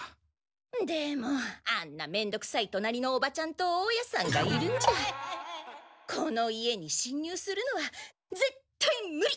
でもあんなめんどうくさい隣のおばちゃんと大家さんがいるんじゃこの家にしん入するのは絶対ムリ！